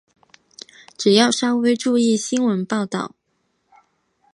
只要稍微注意新闻报导